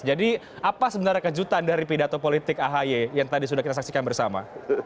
jadi apa sebenarnya kejutan dari pidato politik ahi yang tadi sudah kita saksikan bersama